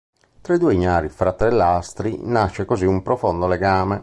Tra i due ignari fratellastri nasce così un profondo legame.